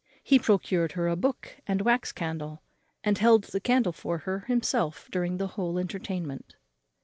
He procured her a book and wax candle, and held the candle for her himself during the whole entertainment.